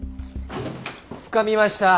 つかみました！